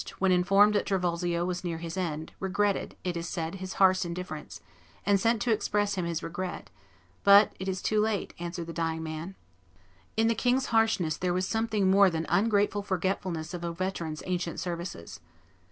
when informed that Trivulzio was near his end, regretted, it is said, his harsh indifference, and sent to express to him his regret; but, "It is too late," answered the dying man. In the king's harshness there was something more than ungrateful forgetfulness of a veteran's ancient services.